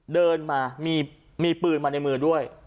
เดินมามีปืนมาในมือด้วย